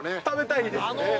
食べたいですね。